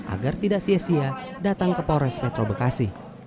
agar tidak sia sia datang ke polres metro bekasi